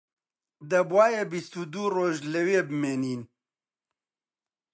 دەبوایە بیست و دوو ڕۆژ لەوێ بمێنین